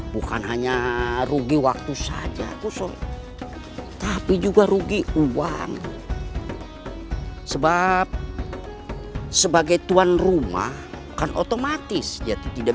bukan hanya rugi waktu saja usul tapi juga rugi uang sebab sebagai tuan rumah kan otomatis dia tidak